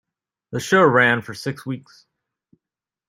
The show ran for six weeks.